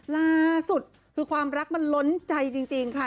ล่าสุดคือความรักมันล้นใจจริงค่ะ